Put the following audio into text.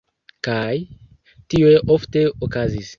Kaj... tio ofte okazis.